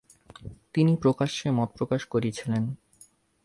তিনি প্রকাশ্যে মতপ্রকাশ করেছিলেন।